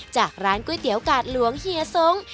จากร้านก๋วยเตี๋ยวกาดหลวงเฮียทรง